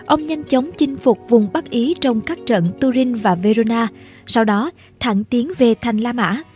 ông nhanh chóng chinh phục vùng bắc ý trong các trận turin và verona sau đó thẳng tiến về thành la mã